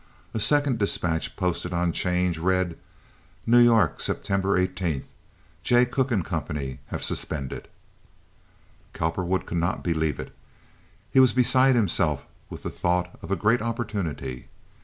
A second despatch posted on 'change read: "New York, September 18th. Jay Cooke & Co. have suspended." Cowperwood could not believe it. He was beside himself with the thought of a great opportunity.